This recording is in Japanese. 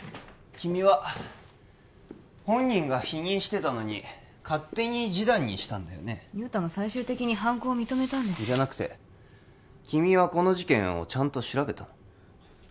君は本人が否認してたのに勝手に示談にしたんだよね雄太も最終的に犯行を認めたんですじゃなくて君はこの事件をちゃんと調べた？